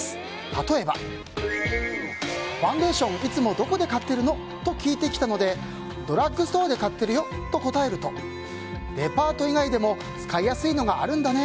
例えば、ファンデーションいつもどこで買ってるの？と聞いてきたのでドラッグストアで買っていると答えるとデパート以外でも使いやすいのがあるんだね。